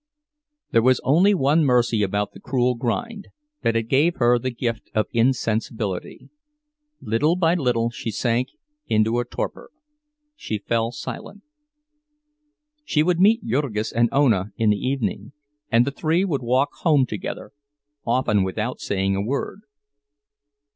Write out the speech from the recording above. There was only one mercy about the cruel grind—that it gave her the gift of insensibility. Little by little she sank into a torpor—she fell silent. She would meet Jurgis and Ona in the evening, and the three would walk home together, often without saying a word.